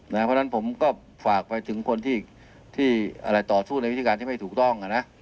เพราะฉะนั้นผมก็ฝากไปถึงคนที่ต่อสู้ในวิธีการที่ไม่ถูกต้อง